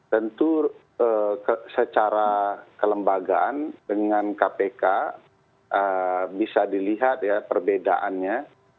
tentu secara kelembagaan dengan kpk bisa dilihat ya perbedaannya